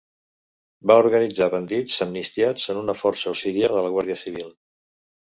Va organitzar bandits amnistiats en una força auxiliar de la Guàrdia Civil.